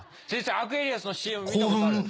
アクエリアスのＣＭ見たことある？